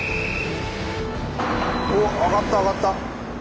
おっ上がった上がった！